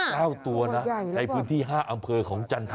เก้าตัวนะในพื้นที่ห้าอำเภอของจันทรา